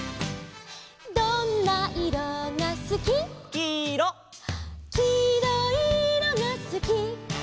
「どんないろがすき」「」「きいろいいろがすき」